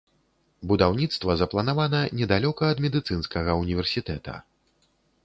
Будаўніцтва запланавана недалёка ад медыцынскага універсітэта.